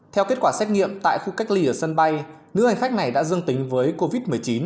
theo kết quả xét nghiệm tại khu cách ly ở sân bay nữ hành khách này đã dương tính với covid một mươi chín